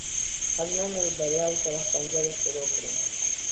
ښځمنو له دریاو سره ښکنځلې شروع کړې.